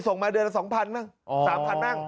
ส่งมาเดือนละ๒๐๐๐บาทไม่งั้น๓๐๐๐บาท